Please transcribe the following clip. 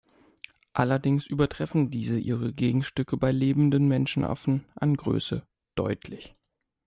Allerdings übertreffen diese ihre Gegenstücke bei lebenden Menschenaffen an Größe deutlich.